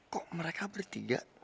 kenapa mereka bertiga